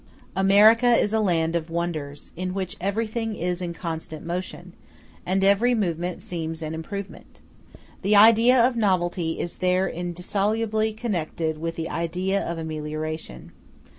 America is a land of wonders, in which everything is in constant motion, and every movement seems an improvement. The idea of novelty is there indissolubly connected with the idea of amelioration.